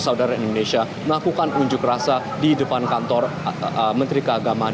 saudara indonesia melakukan unjuk rasa di depan kantor menteri keagamaan